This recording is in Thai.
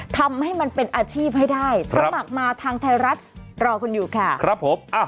ทำให้มันเป็นอาชีพให้ได้สมัครมาทางไทยรัฐรอคุณอยู่ค่ะครับผม